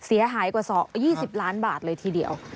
เสียหายกว่า๒๐ล้านบาทเลยทีเดียว